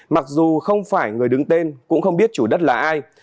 mặc dù không phải người đứng tên cũng không biết chủ đất là ai